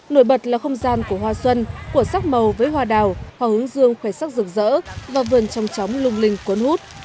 nổi bật là không gian của hoa xuân của sắc màu với hoa đào hoa hướng dương khỏe sắc rực rỡ và vườn trong tróng lung linh cuốn hút